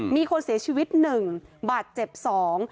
มีคนเสียชีวิตหนึ่งบาดเจ็บสอง